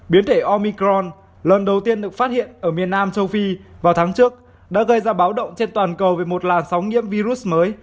biến thể omicron lần đầu tiên được phát hiện ở miền nam châu phi vào tháng trước đã gây ra báo động trên toàn cầu về một làn sóng nhiễm virus mới